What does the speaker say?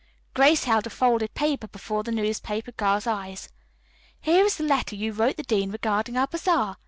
Grace held a folded paper before the newspaper girl's eyes. "Here is the letter you wrote the dean regarding our bazaar.